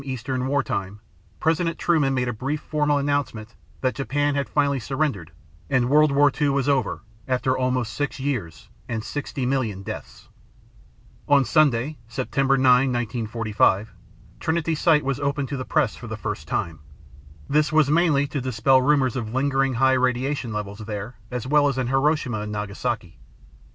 Eastern War Time, President Truman made a brief formal announcement that Japan had finally surrendered and World War II was over after almost six years and 60 million deaths! On Sunday, September 9, 1945, Trinity Site was opened to the press for the first time. This was mainly to dispel rumors of lingering high radiation levels there, as well as in Hiroshima and Nagasaki.